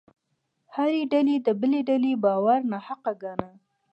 هره ډلې د بلې ډلې باور ناحقه ګاڼه.